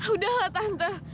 udah lah tante